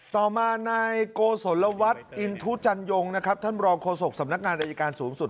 ต่อมานายโกศลวัฒน์อินทุจันยงนะครับท่านรองโฆษกสำนักงานอายการสูงสุด